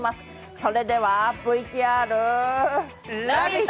それでは、ＶＴＲ「ラヴィット！」。